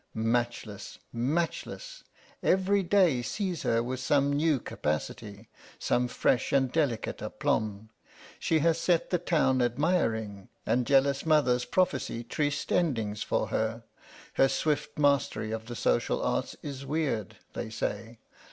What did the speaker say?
Matchless! matchless! Every day sees her with some new capacity, some fresh and delicate aplomb. She has set the town admiring, and jealous mothers prophesy trist ending for her. Her swift mastery of the social arts is weird, they say.